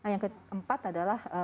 yang keempat adalah